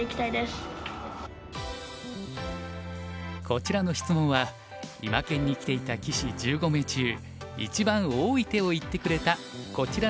こちらの質問は今研に来ていた棋士１５名中一番多い手を言ってくれたこちらの棋士に伺います。